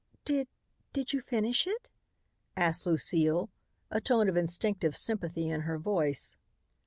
"Did did you finish it?" asked Lucile, a tone of instinctive sympathy in her voice.